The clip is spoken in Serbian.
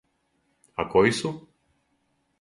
А који су?